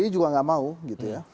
juga tidak mau gitu ya